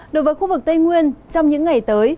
đối với khu vực tây nguyên trong những ngày tới